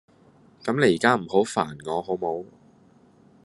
咁你依家唔好煩我好冇